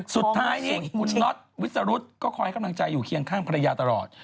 สุดท้ายนี่คุณน็อตวิสรุธก็คอยกำลังใจอยู่เคียงข้างภรรยาตลอด